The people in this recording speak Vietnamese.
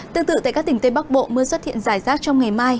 tương tự tại các tỉnh tây bắc bộ mưa xuất hiện rải rác trong ngày mai